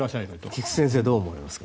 菊地先生どう思われますか？